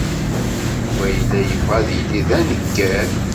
Yuba yella yebɣa ad yili d aneggar.